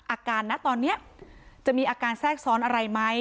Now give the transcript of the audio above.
อาการนะตอนนี้จะมีอาการแทรกซ้อนอะไรไหม